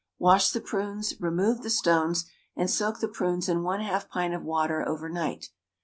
Wash the prunes, remove the stones, and soak the prunes in 1/2 pint of water over night.